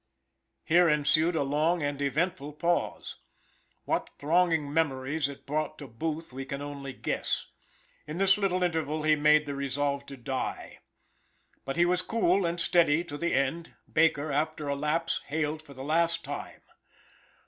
Here ensued a long and eventful pause. What thronging memories it brought to Booth, we can only guess. In this little interval he made the resolve to die. But he was cool and steady to the end. Baker, after a lapse, hailed for the last time.